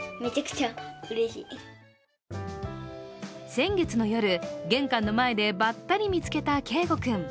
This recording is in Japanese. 先月の夜、玄関の前でばったり見つけた恵梧君。